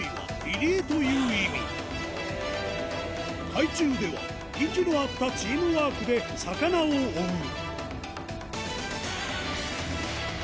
海中では息の合ったチームワークで魚を追うスゲェなこの技術。